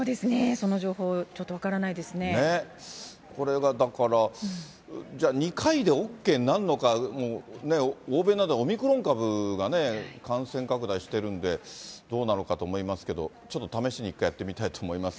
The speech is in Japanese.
その情報、ちょこれがだから、じゃあ２回でＯＫになるのか、欧米などはオミクロン株が感染拡大してるんで、どうなのかと思いますけど、ちょっと試しに一回やってみたいと思います。